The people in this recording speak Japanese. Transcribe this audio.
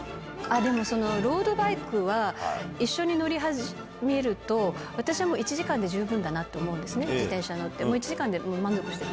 でも、ロードバイクは一緒に乗り始めると、私はもう、１時間で十分だなって思うんですね、自転車に乗って、１時間で満足してる。